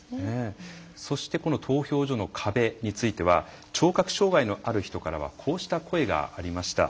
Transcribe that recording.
そして、投票所の壁については聴覚障害のある人からはこうした声がありました。